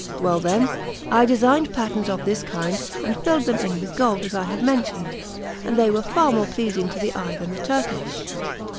Well, then, I designed patterns of this kind, and filled them in with gold, as I have mentioned; and they were far more pleasing to the eye than the Turkish.